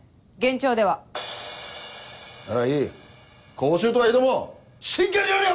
講習とはいえども真剣にやれよ！